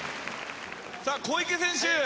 さあ小池選手。